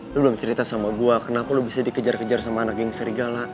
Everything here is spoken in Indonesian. lo belum cerita sama gue kenapa lo bisa dikejar kejar sama anak yang serigala